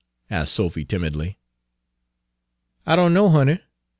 asked Sophy timidly. "I don't know, honey.